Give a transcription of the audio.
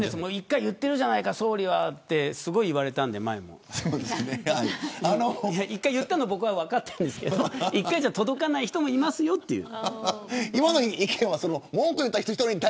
１回言っているじゃないか総理はと前に言われたんで１回言ったの僕は分かっているんですけれど１回じゃ届かない人もいますよ、という。